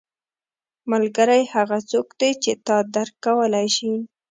• ملګری هغه څوک دی چې تا درک کولی شي.